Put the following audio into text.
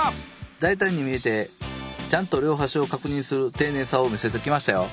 大胆に見えてちゃんと両端を確認する丁寧さを見せてきましたよ。